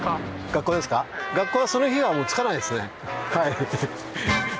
学校はその日はもう着かないですねはい。